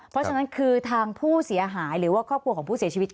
เพราะฉะนั้นคือทางผู้เสียหายหรือว่าครอบครัวของผู้เสียชีวิต